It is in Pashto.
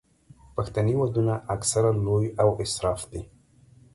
پښتني ودونه اکثره لوی او اسراف دي.